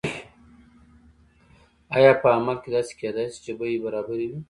آیا په عمل کې داسې کیدای شي چې بیې برابرې وي؟